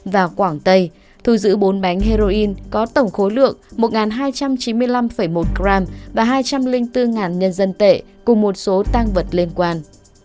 và quảng tây thu giữ bốn bánh heroin có tổng khối lượng một hai trăm chín mươi năm một g và hai trăm linh bốn nhân dân tệ cùng một số tăng vật liên quan